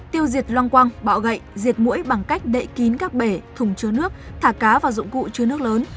tiêu diệt loang quang bọ gậy diệt mũi bằng cách đậy kín các bể thùng chứa nước thả cá vào dụng cụ chứa nước lớn